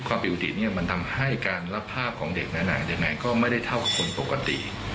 ความผิดปกติเนี่ยมันทำให้การรับภาพของเด็กนั้นยังไงก็ไม่ได้เท่ากับคนปกติ